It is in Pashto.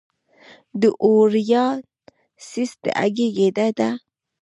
د اووریان سیسټ د هګۍ ګېډه ده.